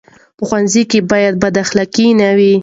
په ښوونځي کې باید بد اخلاقي نه وي.